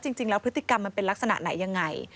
จริงแล้วพฤติกรรมมันเป็นลักษณะไหนยังไง